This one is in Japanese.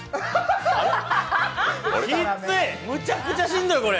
きっつい、むちゃくちゃしんどい、これ。